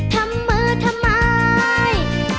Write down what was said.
ทำมือทำไม